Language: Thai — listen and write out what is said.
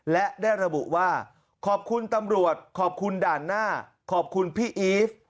และได้ระบุว่าขอบคุณตำรวจขอบคุณด่านหน้าขอบคุณพี่อีฟ